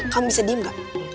kamu bisa diem gak